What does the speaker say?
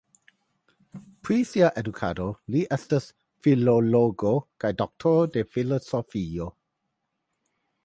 Pri sia edukado li estas filologo kaj doktoro de filozofio.